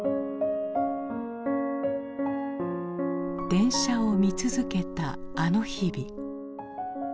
電車を見続けたあの日々。